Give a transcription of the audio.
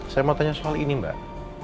saya mau tanya soal ini mbak